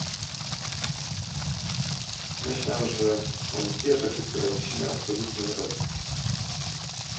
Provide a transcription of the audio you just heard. Myślę, ze są dwie rzeczy które musimy absolutnie robić